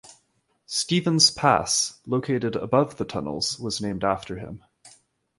Stevens Pass, located above the tunnels, was named after him.